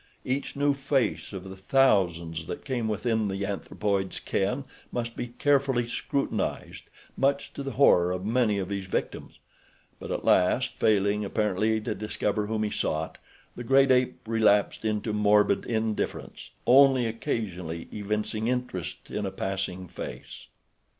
Each new face of the thousands that came within the anthropoid's ken must be carefully scrutinized, much to the horror of many of his victims; but at last, failing, apparently, to discover whom he sought, the great ape relapsed into morbid indifference, only occasionally evincing interest in a passing face.